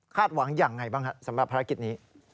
หวังอย่างไรบ้างครับสำหรับภารกิจนี้